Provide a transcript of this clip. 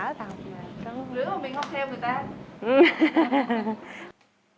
lửa của mình không thêm người ta